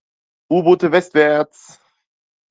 U-Boote westwärts!